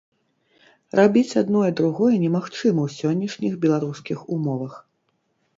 Рабіць адно і другое немагчыма ў сённяшніх беларускіх умовах.